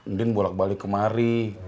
ndin bolak balik kemari